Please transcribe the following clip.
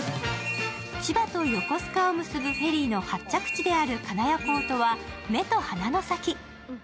千葉と横須賀を結ぶフェリーの発着地である金谷港とは目と鼻の先。